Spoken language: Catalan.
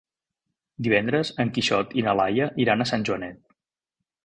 Divendres en Quixot i na Laia iran a Sant Joanet.